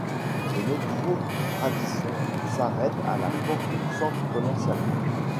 Le métro Radisson s'arrête à la porte du centre commercial.